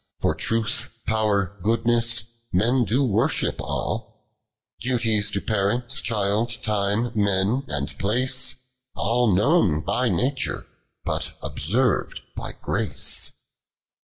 For Truth, Fow'r, Goodness, men do worship all; Duties to parent, child, time, men and place, All known by Nature, but observ'd by Grace.